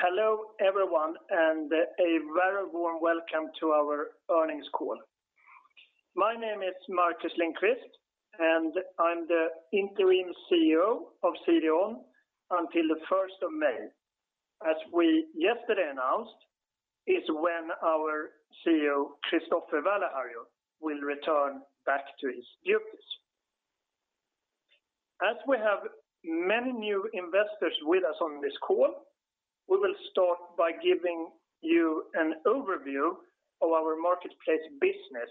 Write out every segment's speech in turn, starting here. Hello everyone, and a very warm welcome to our earnings call. My name is Marcus Lindqvist, and I'm the interim CEO of CDON until the 1st of May. As we yesterday announced, is when our CEO, Kristoffer Väliharju, will return back to his duties. As we have many new investors with us on this call, we will start by giving you an overview of our marketplace business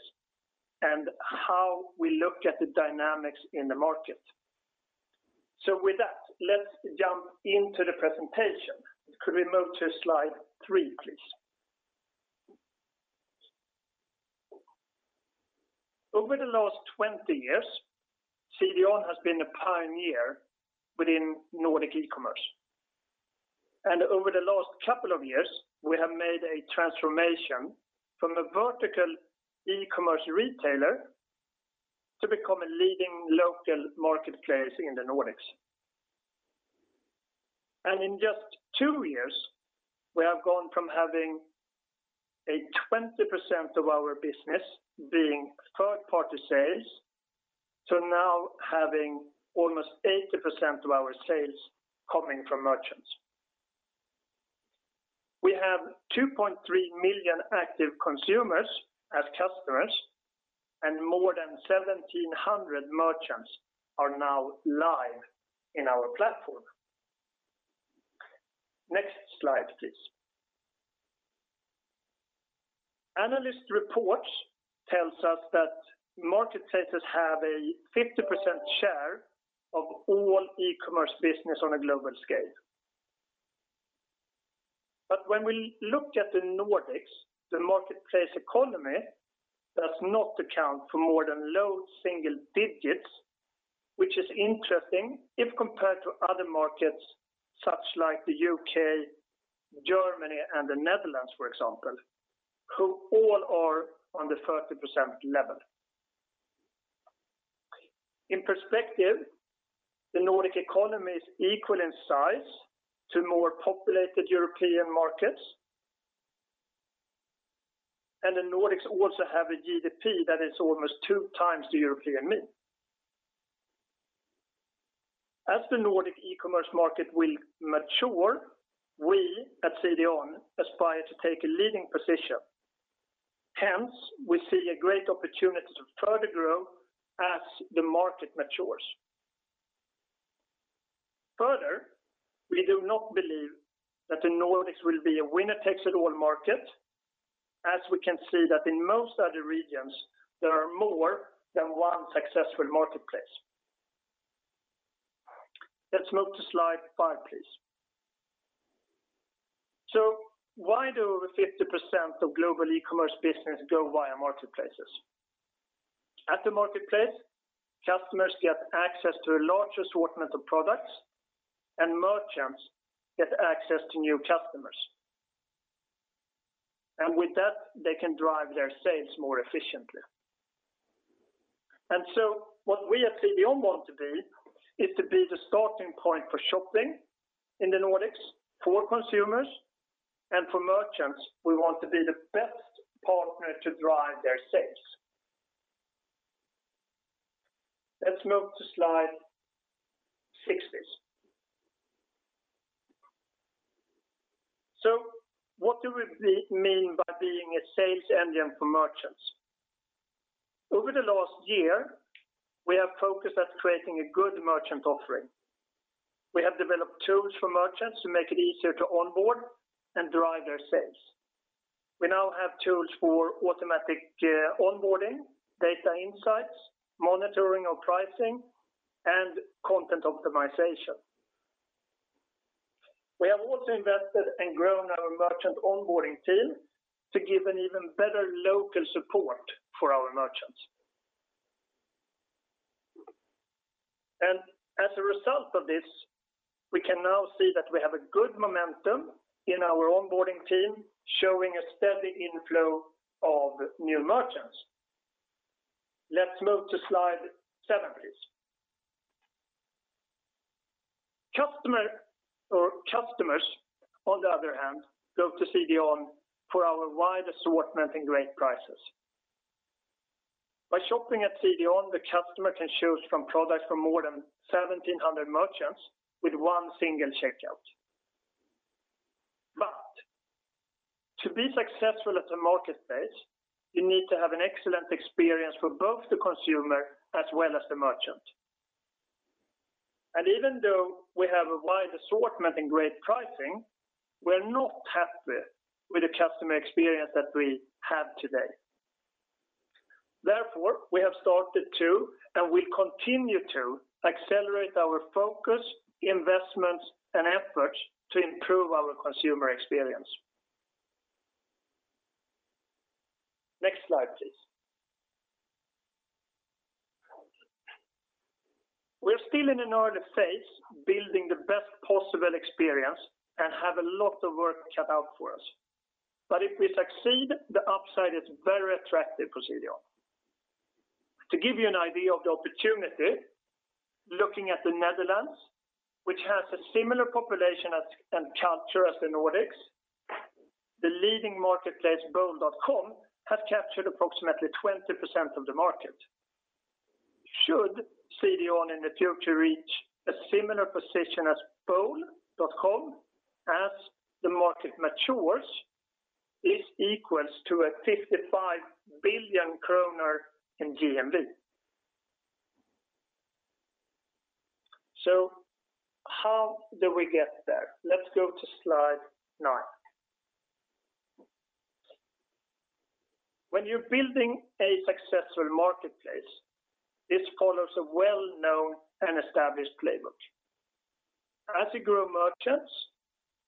and how we look at the dynamics in the market. With that, let's jump into the presentation. Could we move to slide three, please? Over the last 20 years, CDON has been a pioneer within Nordic e-commerce. Over the last couple of years, we have made a transformation from a vertical e-commerce retailer to become a leading local marketplace in the Nordics. In just two years, we have gone from having a 20% of our business being third-party sales to now having almost 80% of our sales coming from merchants. We have 2.3 million active consumers as customers, and more than 1,700 merchants are now live in our platform. Next slide, please. Analyst reports tells us that marketplaces have a 50% share of all e-commerce business on a global scale. When we look at the Nordics, the marketplace economy does not account for more than low single digits, which is interesting if compared to other markets such like the U.K., Germany, and the Netherlands, for example, who all are on the 30% level. In perspective, the Nordic economy is equal in size to more populated European markets, and the Nordics also have a GDP that is almost two times the European mean. As the Nordic e-commerce market will mature, we at CDON aspire to take a leading position. We see a great opportunity to further grow as the market matures. We do not believe that the Nordics will be a winner-takes-it-all market, as we can see that in most other regions, there are more than one successful marketplace. Let's move to slide five, please. Why do over 50% of global e-commerce business go via marketplaces? At the marketplace, customers get access to a large assortment of products and merchants get access to new customers. With that, they can drive their sales more efficiently. What we at CDON want to be is to be the starting point for shopping in the Nordics for consumers, and for merchants, we want to be the best partner to drive their sales. Let's move to slide six, please. What do we mean by being a sales engine for merchants? Over the last year, we have focused at creating a good merchant offering. We have developed tools for merchants to make it easier to onboard and drive their sales. We now have tools for automatic onboarding, data insights, monitoring of pricing, and content optimization. We have also invested and grown our merchant onboarding team to give an even better local support for our merchants. As a result of this, we can now see that we have a good momentum in our onboarding team, showing a steady inflow of new merchants. Let's move to slide seven, please. Customers, on the other hand, go to CDON for our wide assortment and great prices. By shopping at CDON, the customer can choose from products from more than 1,700 merchants with one single checkout. To be successful at the marketplace, you need to have an excellent experience for both the consumer as well as the merchant. Even though we have a wide assortment and great pricing, we're not happy with the customer experience that we have today. Therefore, we have started to, and we continue to accelerate our focus, investments, and efforts to improve our consumer experience. Next slide, please. We're still in an early phase building the best possible experience and have a lot of work cut out for us. If we succeed, the upside is very attractive for CDON. To give you an idea of the opportunity, looking at the Netherlands, which has a similar population and culture as the Nordics, the leading marketplace, bol.com, has captured approximately 20% of the market. Should CDON in the future reach a similar position as bol.com as the market matures, this equals to 55 billion kronor in GMV. How do we get there? Let's go to slide nine. When you're building a successful marketplace, this follows a well-known and established playbook. As you grow merchants,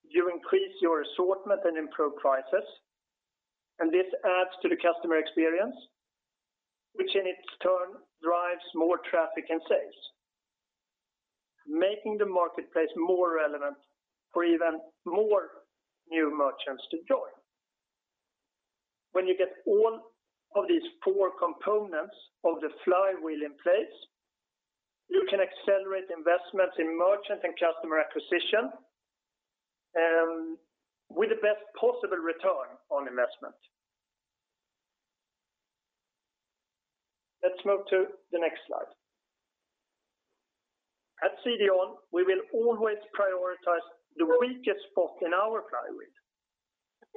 you increase your assortment and improve prices. This adds to the customer experience, which in its turn drives more traffic and sales, making the marketplace more relevant for even more new merchants to join. When you get all of these four components of the flywheel in place, you can accelerate investments in merchant and customer acquisition, with the best possible return on investment. Let's move to the next slide. At CDON, we will always prioritize the weakest spot in our flywheel.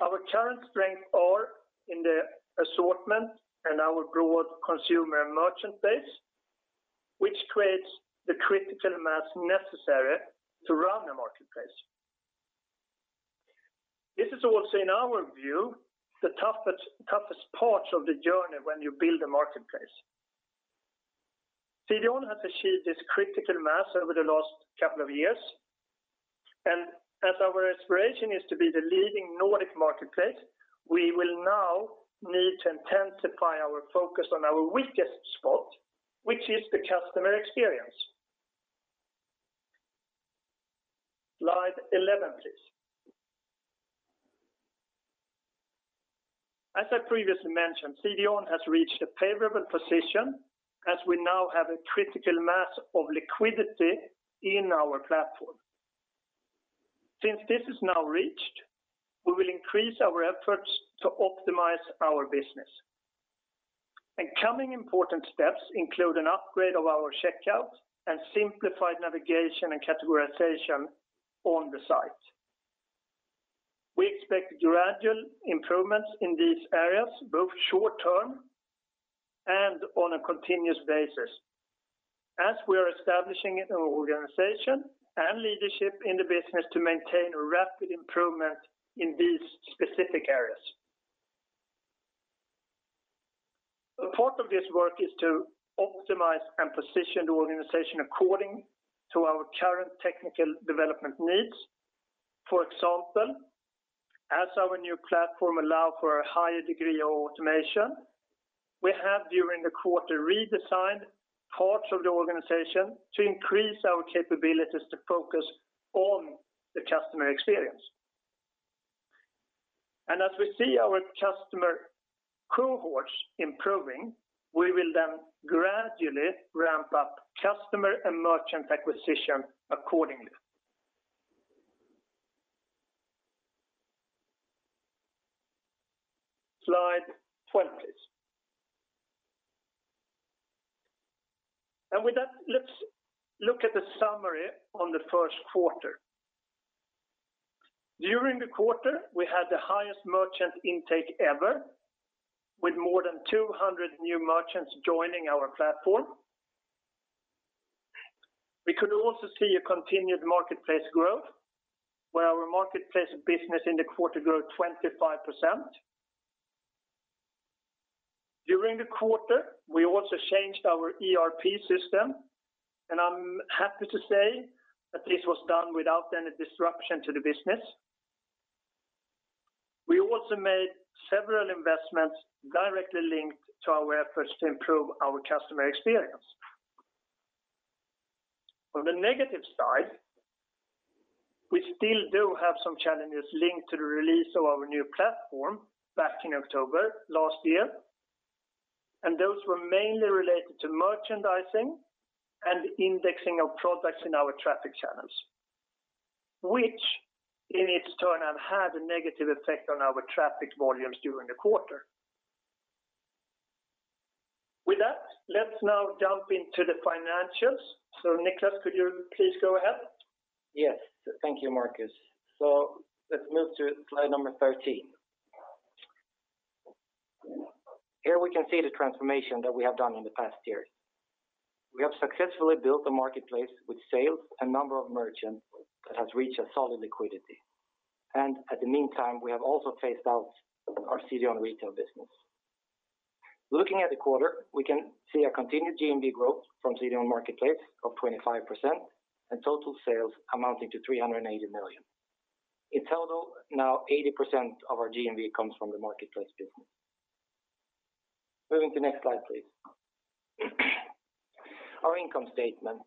Our current strengths are in the assortment and our broad consumer and merchant base, which creates the critical mass necessary to run a marketplace. This is also, in our view, the toughest part of the journey when you build a marketplace. CDON has achieved this critical mass over the last couple of years, and as our aspiration is to be the leading Nordic marketplace, we will now need to intensify our focus on our weakest spot, which is the customer experience. Slide 11, please. As I previously mentioned, CDON has reached a favorable position as we now have a critical mass of liquidity in our platform. Since this is now reached, we will increase our efforts to optimize our business. Coming important steps include an upgrade of the checkout and simplified navigation and categorization on the site. We expect gradual improvements in these areas, both short-term and on a continuous basis, as we are establishing an organization and leadership in the business to maintain rapid improvement in these specific areas. A part of this work is to optimize and position the organization according to our current technical development needs. For example, as our new platform allows for a higher degree of automation, we have during the quarter redesigned parts of the organization to increase our capabilities to focus on the customer experience. As we see our customer cohorts improving, we will then gradually ramp up customer and merchant acquisition accordingly. Slide 20 please. With that, let's look at the summary on the first quarter. During the quarter, we had the highest merchant intake ever, with more than 200 new merchants joining our platform. We could also see a continued marketplace growth, where our marketplace business in the quarter grew 25%. During the quarter, we also changed our ERP system. I'm happy to say that this was done without any disruption to the business. We also made several investments directly linked to our efforts to improve our customer experience. On the negative side, we still do have some challenges linked to the release of our new platform back in October last year. Those were mainly related to merchandising and indexing of products in our traffic channels, which in its turn have had a negative effect on our traffic volumes during the quarter. With that, let's now jump into the financials. Niclas, could you please go ahead? Yes. Thank you, Marcus. Let's move to slide number 13. Here we can see the transformation that we have done in the past year. We have successfully built a marketplace with sales, a number of merchants that has reached a solid liquidity. In the meantime, we have also phased out our CDON Retail business. Looking at the quarter, we can see a continued GMV growth from CDON Marketplace of 25%, and total sales amounting to 380 million. In total, now 80% of our GMV comes from the marketplace business. Moving to the next slide, please. Our income statement.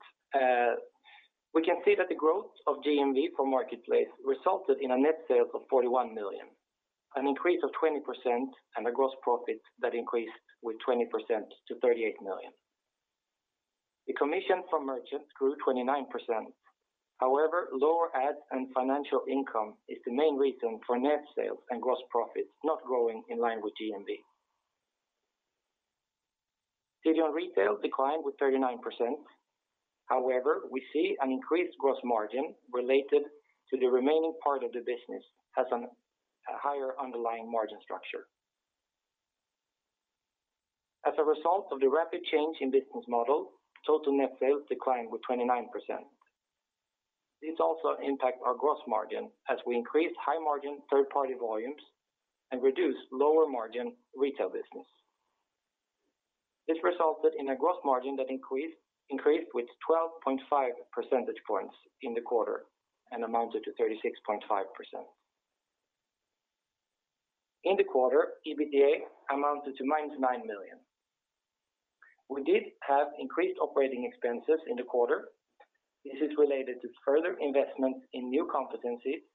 We can see that the growth of GMV for marketplace resulted in a net sales of 41 million, an increase of 20%, and a gross profit that increased with 20% to 38 million. The commission from merchants grew 29%. Lower ads and financial income is the main reason for net sales and gross profits not growing in line with GMV. CDON Retail declined with 39%. We see an increased gross margin related to the remaining part of the business as a higher underlying margin structure. As a result of the rapid change in business model, total net sales declined with 29%. This also impacts our gross margin as we increased high-margin third-party volumes and reduced lower-margin retail business. This resulted in a gross margin that increased with 12.5 percentage points in the quarter and amounted to 36.5%. In the quarter, EBITDA amounted to minus 9 million. We did have increased operating expenses in the quarter. This is related to further investments in new competencies,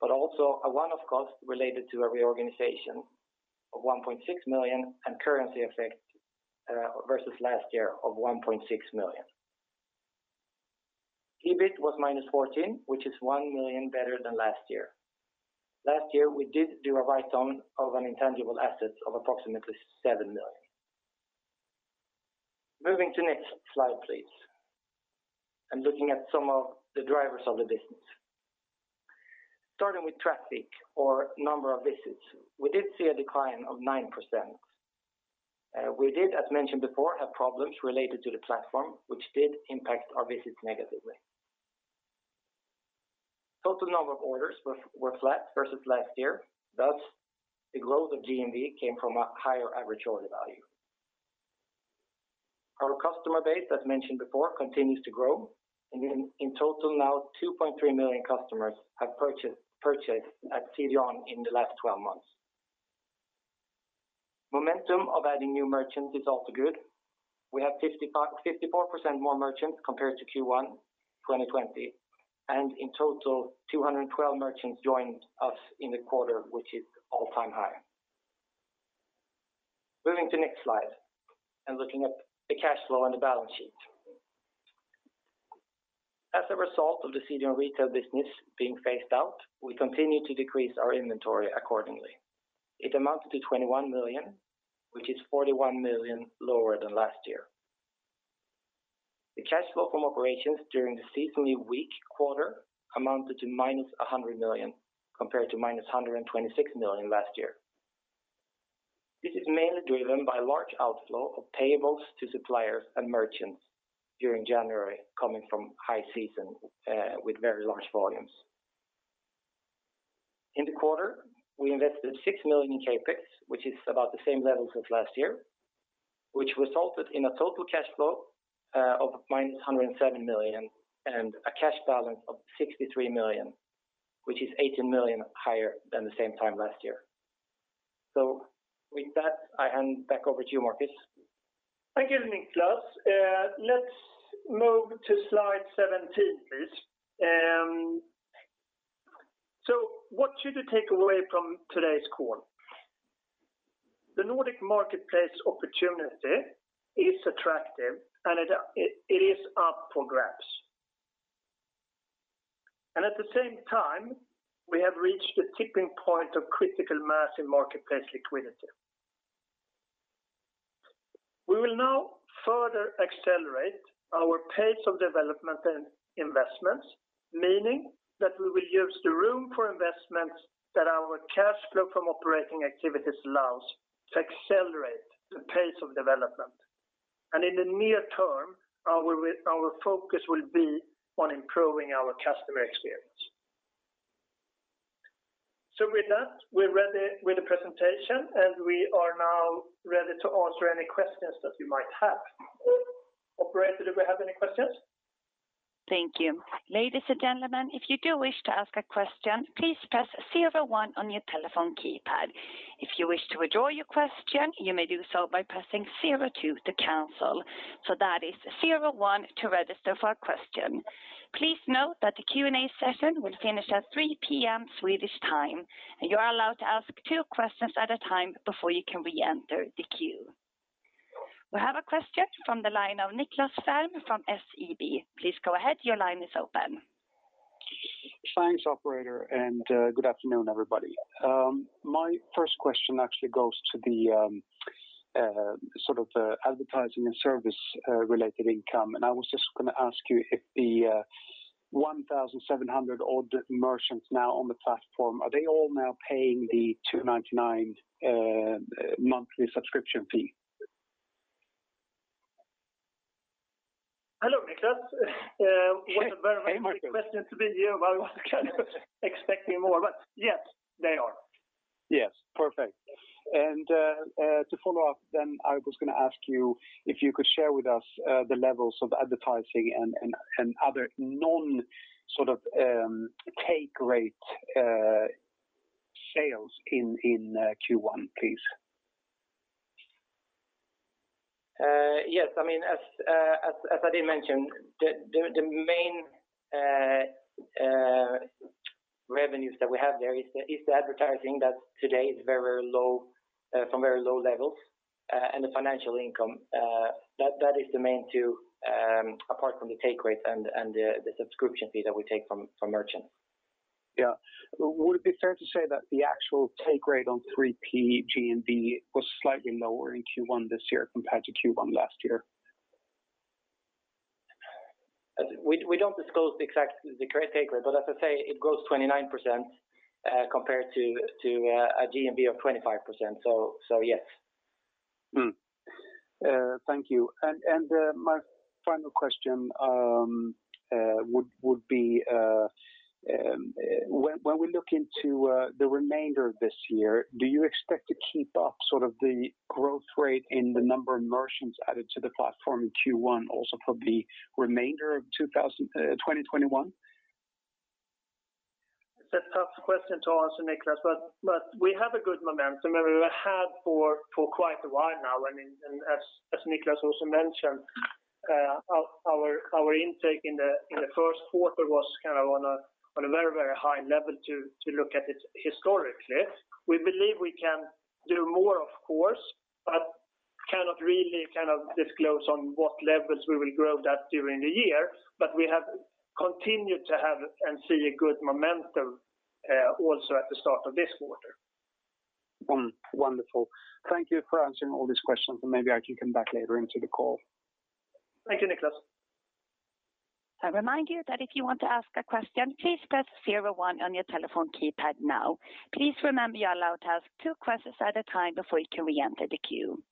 but also a one-off cost related to a reorganization of 1.6 million and currency effect versus last year of 1.6 million. EBIT was minus 14, which is 1 million better than last year. Last year, we did do a write-down of an intangible asset of approximately 7 million. Moving to next slide, please, and looking at some of the drivers of the business. Starting with traffic or number of visits, we did see a decline of 9%. We did, as mentioned before, have problems related to the platform, which did impact our visits negatively. Total number of orders were flat versus last year thus the growth of GMV came from a higher average order value. Our customer base, as mentioned before, continues to grow, and in total now 2.3 million customers have purchased at CDON in the last 12 months. Momentum of adding new merchants is also good. We have 54% more merchants compared to Q1 2020, and in total, 212 merchants joined us in the quarter, which is all-time high. Moving to next slide and looking at the cash flow and the balance sheet. As a result of the CDON Retail business being phased out, we continue to decrease our inventory accordingly. It amounted to 21 million, which is 41 million lower than last year. The cash flow from operations during the seasonally weak quarter amounted to minus 100 million, compared to minus 126 million last year. This is mainly driven by large outflow of payables to suppliers and merchants during January, coming from high season with very large volumes. In the quarter, we invested 6 million in CapEx, which is about the same level since last year, which resulted in a total cash flow of -107 million and a cash balance of 63 million, which is 18 million higher than the same time last year. With that, I hand back over to you, Marcus Lindqvist. Thank you, Niclas. Let's move to slide 17, please. What should you take away from today's call? The Nordic marketplace opportunity is attractive, and it is up for grabs. At the same time, we have reached the tipping point of critical mass in marketplace liquidity. We will now further accelerate our pace of development and investments, meaning that we will use the room for investments that our cash flow from operating activities allows to accelerate the pace of development. In the near term, our focus will be on improving our customer experience. With that, we're ready with the presentation, and we are now ready to answer any questions that you might have. Operator, do we have any questions? Thank you. Ladies and gentlemen, if you do wish to ask a question, please press 01 on your telephone keypad. If you wish to withdraw your question, you may do so by pressing 02 to cancel. That is 01 to register for a question. Please note that the Q&A session will finish at 3:00 P.M. Swedish time. You are allowed to ask two questions at a time before you can reenter the queue. We have a question from the line of Nicklas Fhärm from SEB. Please go ahead. Your line is open. Thanks, operator. Good afternoon, everybody. My first question actually goes to the advertising and service-related income. I was just going to ask you if the 1,700-odd merchants now on the platform, are they all now paying the 299 monthly subscription fee? Hello, Nicklas. Hey, Marcus. Quick question to begin. I was kind of expecting more, but yes, they are. Yes. Perfect. To follow up, I was going to ask you if you could share with us the levels of advertising and other non-take rate sales in Q1, please. Yes, as I did mention, the main revenues that we have there is the advertising that today is from very low levels, and the financial income. That is the main two, apart from the take rate and the subscription fee that we take from merchants. Yeah. Would it be fair to say that the actual take rate on 3P GMV was slightly lower in Q1 this year compared to Q1 last year? We don't disclose the exact take rate, but as I say, it grows 29% compared to a GMV of 25%. Yes. Thank you. My final question would be, when we look into the remainder of this year, do you expect to keep up the growth rate in the number of merchants added to the platform in Q1 also for the remainder of 2021? That's a tough question to answer, Nicklas, but we have a good momentum, and we have had for quite a while now. As Niclas also mentioned, our intake in the first quarter was on a very high level to look at it historically. We believe we can do more, of course, but cannot really disclose on what levels we will grow that during the year. We have continued to have and see a good momentum also at the start of this quarter. Wonderful. Thank you for answering all these questions, and maybe I can come back later into the call. Thank you, Nicklas. I remind you that if you want to ask a question, please press 01 on your telephone keypad now. Please remember you are allowed to ask two questions at a time before you can re-enter the queue.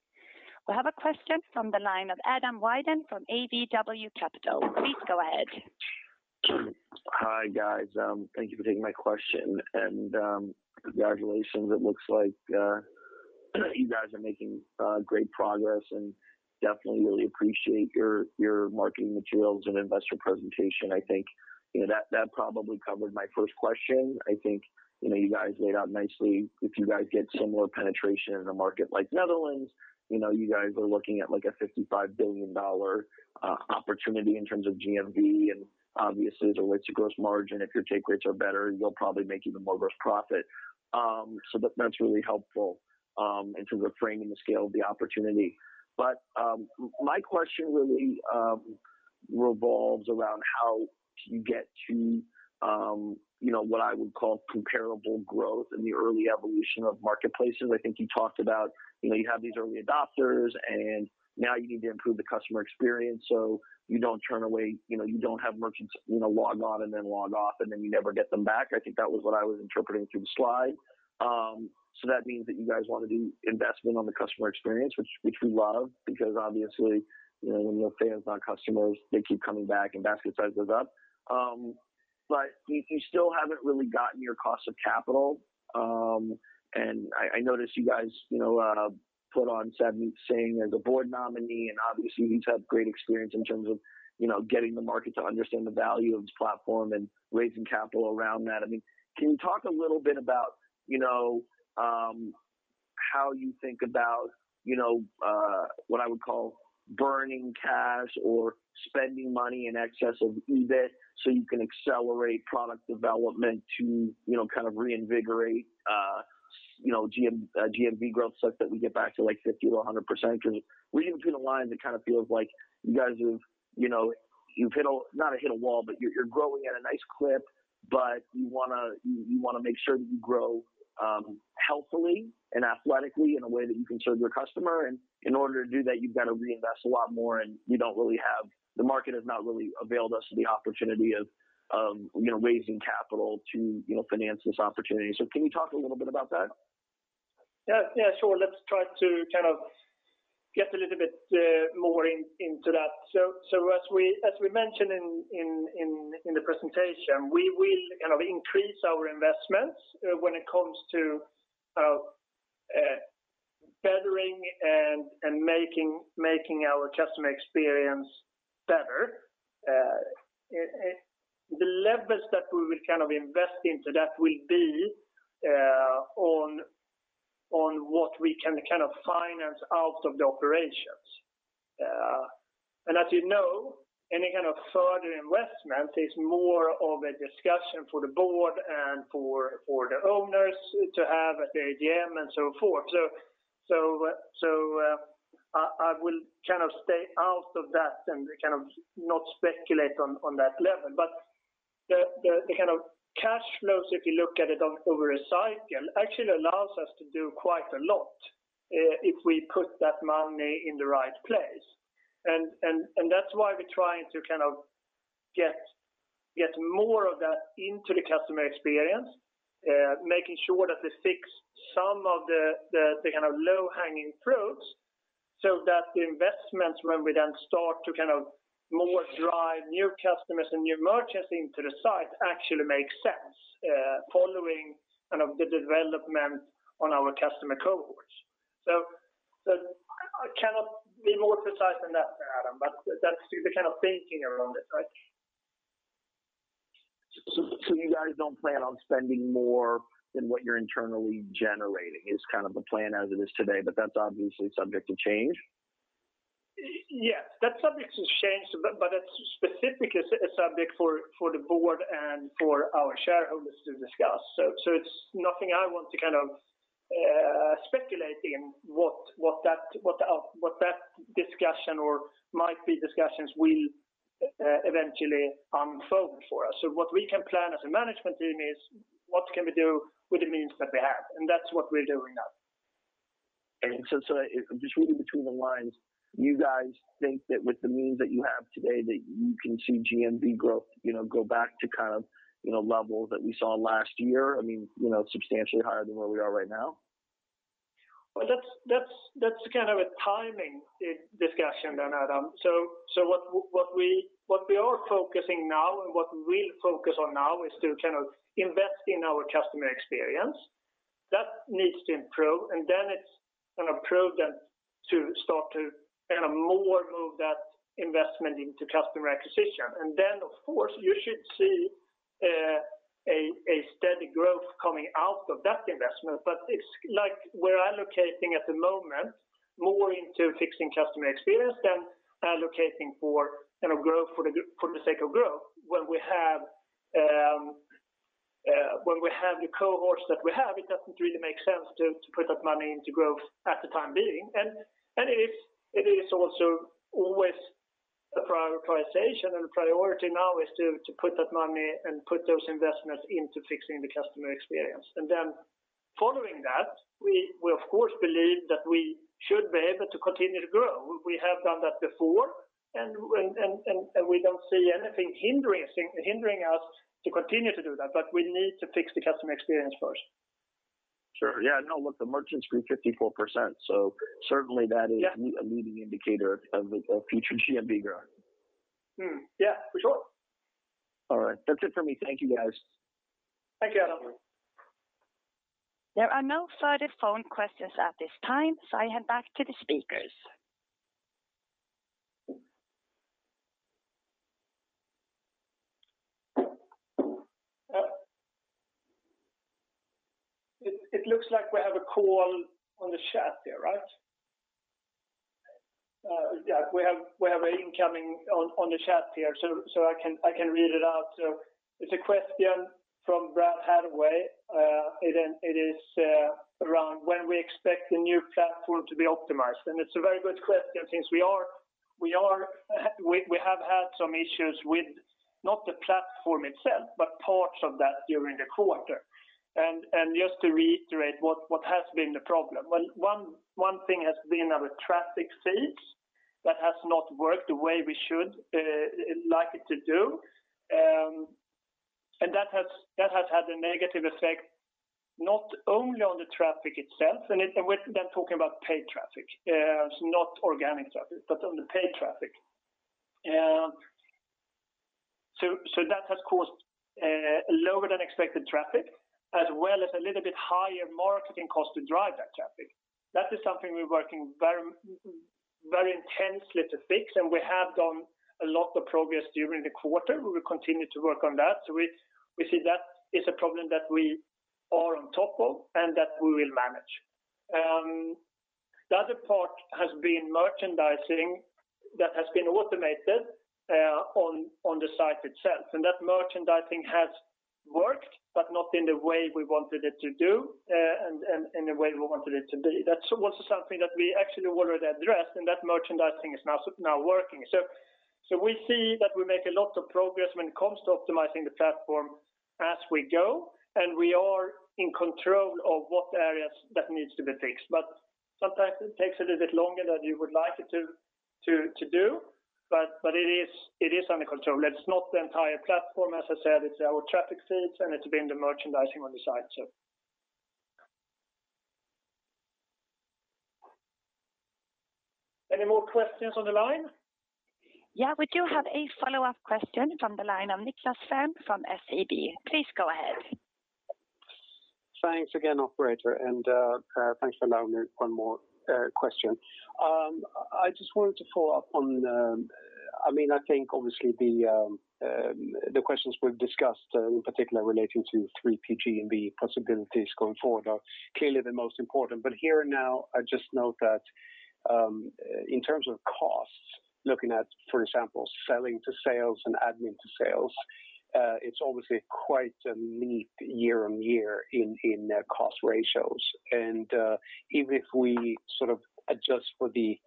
We have a question from the line of Adam Wyden from ADW Capital. Please go ahead. Hi, guys. Thank you for taking my question. Congratulations. It looks like you guys are making great progress. Definitely really appreciate your marketing materials and investor presentation. I think that probably covered my first question. I think you guys laid out nicely if you guys get some more penetration in a market like Netherlands, you guys are looking at a SEK 55 billion opportunity in terms of GMV. Obviously, the rates of gross margin, if your take rates are better, you'll probably make even more gross profit. That's really helpful in terms of framing the scale of the opportunity. My question really revolves around how you get to what I would call comparable growth in the early evolution of marketplaces. I think you talked about, you have these early adopters, and now you need to improve the customer experience so you don't have merchants log on and then log off, and then you never get them back. I think that was what I was interpreting through the slide. That means that you guys want to do investment on the customer experience, which we love, because obviously, when we have fans, not customers, they keep coming back and basket size goes up. You still haven't really gotten your cost of capital. I noticed you guys put on Savneet Singh as a board nominee, and obviously, he's had great experience in terms of getting the market to understand the value of the platform and raising capital around that. Can you talk a little bit about how you think about what I would call burning cash or spending money in excess of EBIT so you can accelerate product development to reinvigorate GMV growth such that we get back to 50% or 100%? Because reading through the lines, it kind of feels like you guys have, not hit a wall, but you're growing at a nice clip, but you want to make sure that you grow healthily and athletically in a way that you can serve your customer. And in order to do that, you've got to reinvest a lot more, and the market has not really availed us the opportunity of raising capital to finance this opportunity. Can you talk a little bit about that? Yeah, sure. Let's try to get a little bit more into that. As we mentioned in the presentation, we will increase our investments when it comes to bettering and making our customer experience better. The levels that we will invest into that will be on what we can finance out of the operations. As you know, any kind of further investment is more of a discussion for the board and for the owners to have at the AGM and so forth. I will stay out of that and not speculate on that level. The kind of cash flows, if you look at it over a cycle, actually allows us to do quite a lot if we put that money in the right place. That's why we're trying to get more of that into the customer experience, making sure that we fix some of the low-hanging fruits so that the investments, when we then start to more drive new customers and new merchants into the site, actually make sense, following the development on our customer cohorts. I cannot be more precise than that, Adam. That's the kind of thinking around it. You guys don't plan on spending more than what you're internally generating is kind of the plan as it is today, but that's obviously subject to change? Yes. That's subject to change, but it's specifically a subject for the board and for our shareholders to discuss. It's nothing I want to speculate in what that discussion or might-be discussions will eventually unfold for us. What we can plan as a management team is what can we do with the means that we have, and that's what we're doing now. Just reading between the lines, you guys think that with the means that you have today, that you can see GMV growth go back to levels that we saw last year, substantially higher than where we are right now? That's kind of a timing discussion then, Adam. What we are focusing now and what we'll focus on now is to invest in our customer experience. That needs to improve, and then it's going to prove then to start to more move that investment into customer acquisition. Then, of course, you should see a steady growth coming out of that investment. We're allocating at the moment more into fixing customer experience than allocating for growth for the sake of growth. When we have the cohorts that we have, it doesn't really make sense to put that money into growth at the time being. It is also always a prioritization, and priority now is to put that money and put those investments into fixing the customer experience. Then following that, we, of course, believe that we should be able to continue to grow. We have done that before, and we don't see anything hindering us to continue to do that, but we need to fix the customer experience first. Sure. Yeah. No, look, the merchants grew 54%, certainly that is. Yeah a leading indicator of future GMV growth. Yeah. For sure. All right. That's it for me. Thank you, guys. Thank you, Adam. There are no further phone questions at this time, so I hand back to the speakers. It looks like we have a call on the chat there, right? Yeah, we have an incoming on the chat here. I can read it out. It is a question from Brad Hathaway. It is around when we expect the new platform to be optimized. It is a very good question since we have had some issues with not the platform itself, but parts of that during the quarter. Just to reiterate what has been the problem. Well, one thing has been our traffic feeds that has not worked the way we should like it to do. That has had a negative effect not only on the traffic itself, and we're then talking about paid traffic, not organic traffic, but on the paid traffic. That has caused a lower-than-expected traffic as well as a little bit higher marketing cost to drive that traffic. That is something we're working very intensely to fix, and we have done a lot of progress during the quarter. We will continue to work on that. We see that is a problem that we are on top of and that we will manage. The other part has been merchandising that has been automated on the site itself, and that merchandising has worked, but not in the way we wanted it to do and in the way we wanted it to be. That was something that we actually already addressed, and that merchandising is now working. We see that we make a lot of progress when it comes to optimizing the platform as we go, and we are in control of what areas that needs to be fixed. Sometimes it takes a little bit longer than you would like it to do, but it is under control. It's not the entire platform, as I said. It's our traffic feeds, and it's been the merchandising on the site. Any more questions on the line? Yeah, we do have a follow-up question from the line of Nicklas Fhärm from SEB. Please go ahead. Thanks again, operator, and thanks for allowing me one more question. I just wanted to follow up. I think obviously the questions we've discussed, in particular relating to 3P and the possibilities going forward are clearly the most important. Here and now, I just note that in terms of costs, looking at, for example, selling to sales and admin to sales, it's obviously quite a leap year-on-year in cost ratios. Even if we sort of adjust for the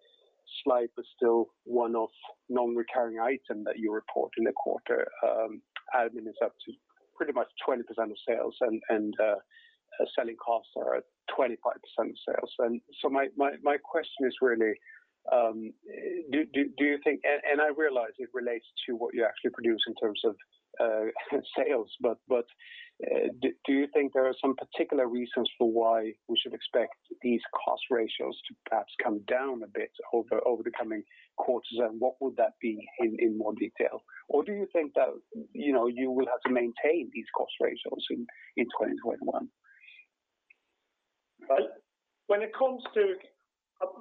slight but still one-off non-recurring item that you report in the quarter, admin is up to pretty much 20% of sales and selling costs are at 25% of sales. My question is really, do you think, and I realize it relates to what you actually produce in terms of sales, but do you think there are some particular reasons for why we should expect these cost ratios to perhaps come down a bit over the coming quarters? What would that be in more detail? Do you think that you will have to maintain these cost ratios in 2021? Right. When it comes to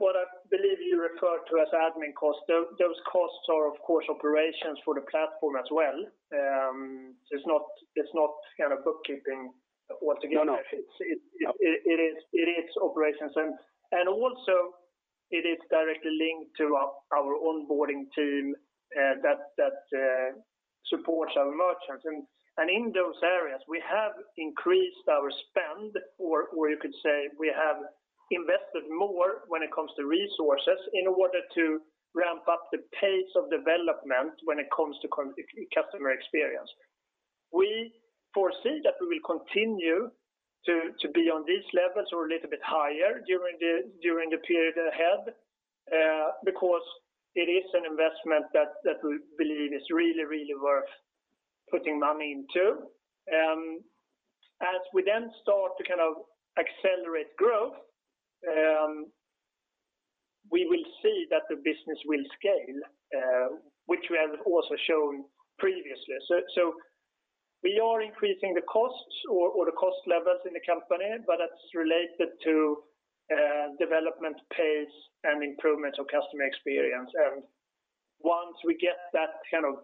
what I believe you refer to as admin costs, those costs are, of course, operations for the platform as well. It's not kind of bookkeeping altogether. No. It is operations. Also it is directly linked to our onboarding team that supports our merchants. And in those areas, we have increased our spend, or you could say we have invested more when it comes to resources in order to ramp up the pace of development when it comes to customer experience. We foresee that we will continue to be on these levels or a little bit higher during the period ahead, because it is an investment that we believe is really worth putting money into. As we then start to kind of accelerate growth, we will see that the business will scale, which we have also shown previously. We are increasing the costs or the cost levels in the company, but that's related to development pace and improvement of customer experience. Once we get that kind of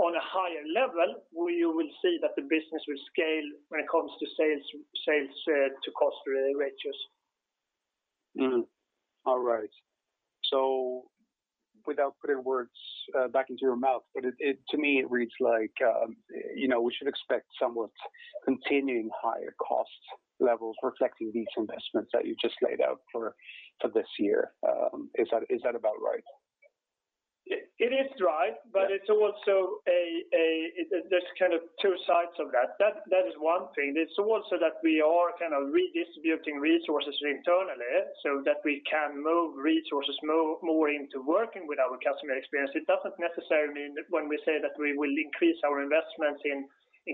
on a higher level, you will see that the business will scale when it comes to sales to cost ratios. All right. Without putting words back into your mouth, to me, it reads like we should expect somewhat continuing higher cost levels reflecting these investments that you just laid out for this year. Is that about right? It is right, there's kind of two sides of that. That is one thing. It's also that we are kind of redistributing resources internally so that we can move resources more into working with our customer experience. It doesn't necessarily mean that when we say that we will increase our investments in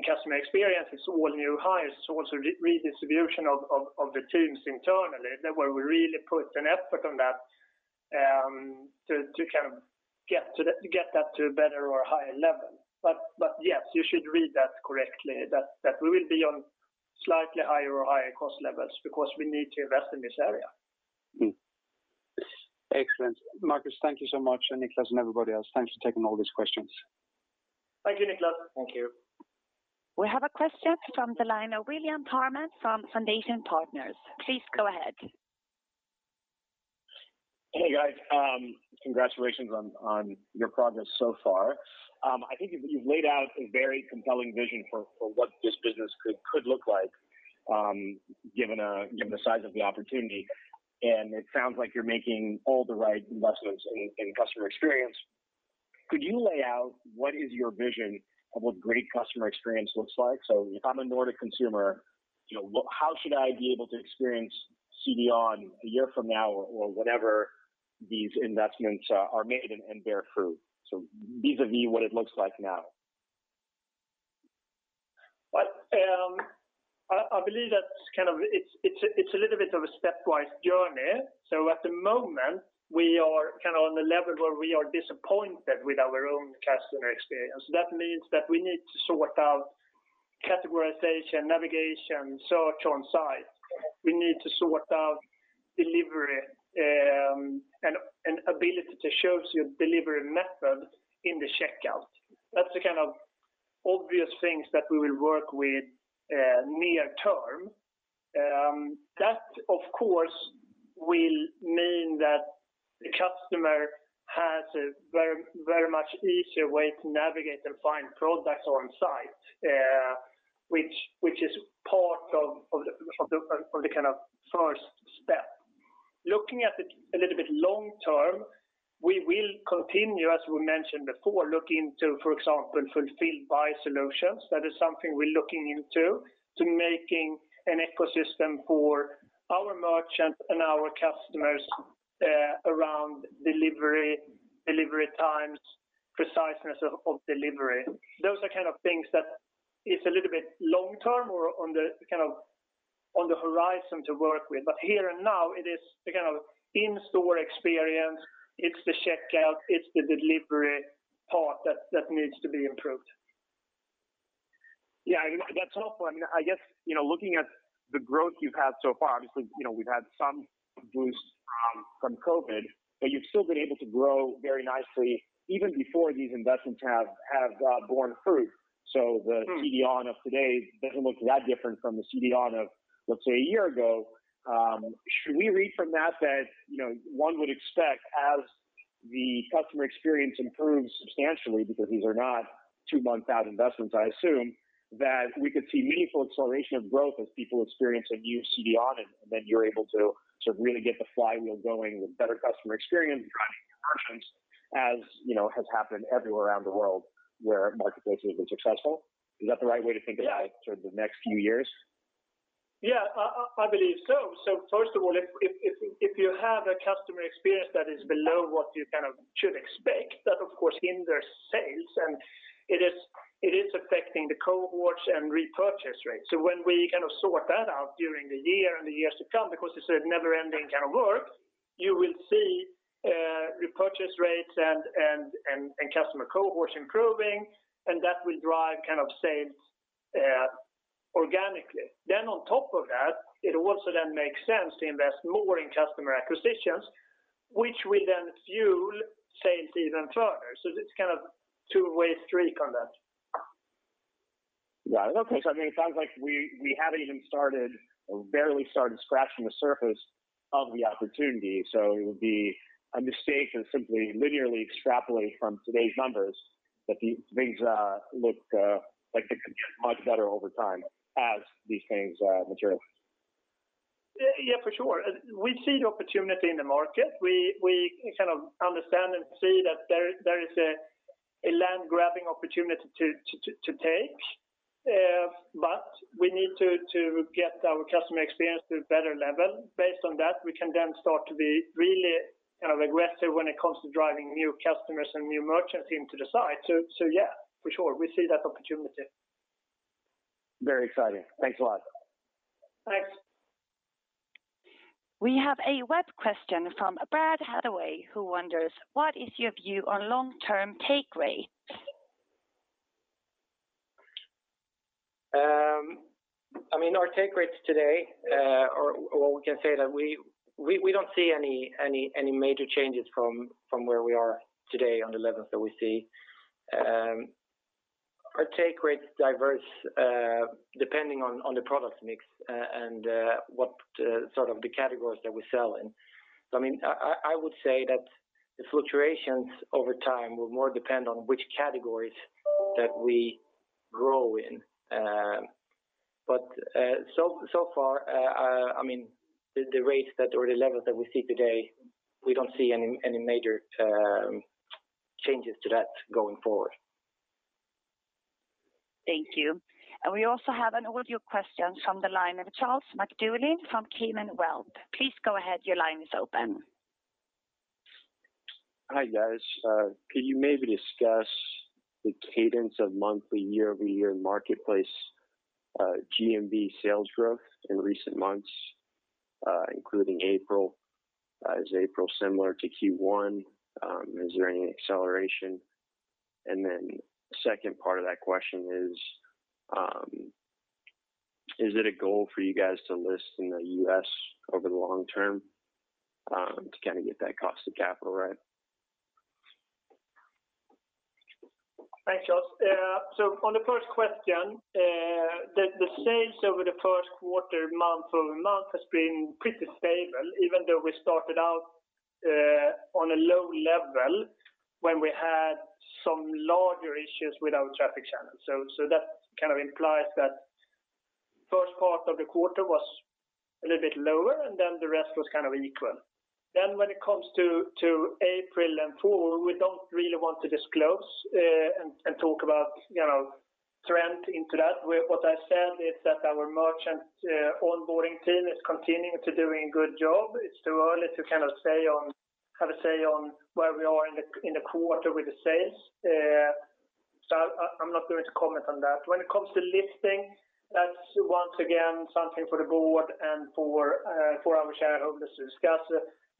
customer experience, it's all new hires. It's also redistribution of the teams internally, that way we really put an effort on that to get that to a better or higher level. Yes, you should read that correctly, that we will be on slightly higher or higher cost levels because we need to invest in this area. Excellent. Marcus, thank you so much. Niclas and everybody else, thanks for taking all these questions. Thank you, Nicklas. Thank you. We have a question from the line of William Parmar from Foundation Partners. Please go ahead. Hey, guys. Congratulations on your progress so far. I think you've laid out a very compelling vision for what this business could look like, given the size of the opportunity, and it sounds like you're making all the right investments in customer experience. Could you lay out what is your vision of what great customer experience looks like? If I'm a Nordic consumer, how should I be able to experience CDON a year from now or whenever these investments are made and bear fruit? Vis-à-vis what it looks like now. I believe that it's a little bit of a stepwise journey. At the moment, we are kind of on the level where we are disappointed with our own customer experience. That means that we need to sort out categorization, navigation, search on site. We need to sort out delivery, and ability to choose your delivery method in the checkout. That's the kind of obvious things that we will work with near term. That, of course, will mean that the customer has a very much easier way to navigate and find products on site, which is part of the kind of first step. Looking at it a little bit long term, we will continue, as we mentioned before, look into, for example, fulfilled by solutions. That is something we're looking into to making an ecosystem for our merchants and our customers around delivery times, preciseness of delivery. Those are kind of things that it's a little bit long term or on the horizon to work with. Here and now, it is the kind of in-store experience. It's the checkout. It's the delivery part that needs to be improved. Yeah, that's helpful. I guess, looking at the growth you've had so far, obviously, we've had some boost from COVID, but you've still been able to grow very nicely even before these investments have borne fruit. The CDON of today doesn't look that different from the CDON of, let's say, a year ago. Should we read from that one would expect as the customer experience improves substantially, because these are not two-month out investments, I assume, that we could see meaningful acceleration of growth as people experience a new CDON, and then you're able to sort of really get the flywheel going with better customer experience, driving conversions, as has happened everywhere around the world where marketplaces have been successful? Is that the right way to think about it for the next few years? I believe so. First of all, if you have a customer experience that is below what you kind of should expect, that of course, hinders sales, and it is affecting the cohorts and repurchase rates. When we kind of sort that out during the year and the years to come, because it's a never-ending kind of work. You will see repurchase rates and customer cohorts improving, and that will drive sales organically. On top of that, it also then makes sense to invest more in customer acquisitions, which will then fuel sales even further. It's kind of a two-way street on that. Right. Okay. It sounds like we have barely started scratching the surface of the opportunity. It would be a mistake to simply linearly extrapolate from today's numbers, that things look like they could get much better over time as these things materialize. Yeah, for sure. We see the opportunity in the market. We understand and see that there is a land-grabbing opportunity to take. We need to get our customer experience to a better level. Based on that, we can then start to be really aggressive when it comes to driving new customers and new merchants into the site. Yes, for sure, we see that opportunity. Very exciting. Thanks a lot. Thanks. We have a web question from Brad Hathaway, who wonders, "What is your view on long-term take rate? Our take rates today, or we can say that we don't see any major changes from where we are today on the levels that we see. Our take rates diverse depending on the product mix and what sort of the categories that we sell in. I would say that the fluctuations over time will more depend on which categories that we grow in. So far, the rates or the levels that we see today, we don't see any major changes to that going forward. Thank you. We also have an audio question from the line of Charles MacDougall from Keyman Wealth. Please go ahead. Your line is open. Hi, guys. Could you maybe discuss the cadence of monthly, year-over-year marketplace GMV sales growth in recent months, including April? Is April similar to Q1? Is there any acceleration? The second part of that question is it a goal for you guys to list in the U.S. over the long term to get that cost of capital right? Thanks, Charles. On the first question, the sales over the first quarter month-over-month has been pretty stable, even though we started out on a low level when we had some larger issues with our traffic channels. That kind of implies that first part of the quarter was a little bit lower, and then the rest was kind of equal. When it comes to April and forward, we don't really want to disclose and talk about trend into that. What I said is that our merchant onboarding team is continuing to do a good job. It's too early to have a say on where we are in the quarter with the sales. I'm not going to comment on that. When it comes to listing, that's once again, something for the board and for our shareholders to discuss,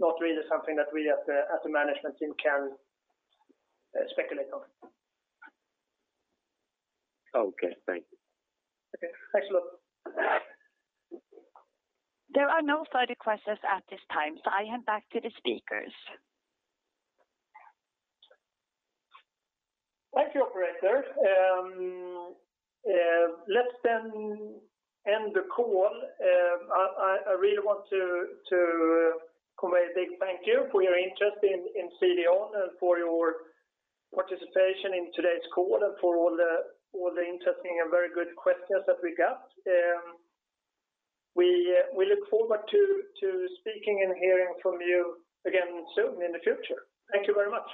not really something that we as a management team can speculate on. Okay, thank you. Okay, thanks a lot. There are no further questions at this time, so I hand back to the speakers. Thank you, operator. Let's then end the call. I really want to convey a big thank you for your interest in CDON and for your participation in today's call, and for all the interesting and very good questions that we got. We look forward to speaking and hearing from you again soon in the future. Thank you very much.